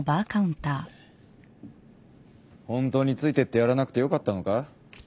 ホントについてってやらなくてよかったのか？